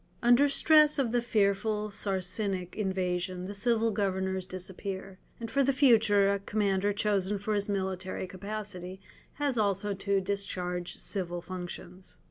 Under stress of the fearful Saracenic invasion the civil governors disappear, and for the future a commander chosen for his military capacity has also to discharge civil functions.